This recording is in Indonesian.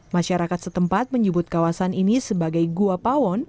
masyarakat setempat menyebut kawasan ini sebagai gua pawon